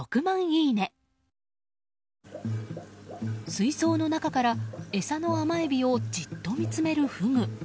水槽の中から餌の甘エビをじっと見つめるフグ。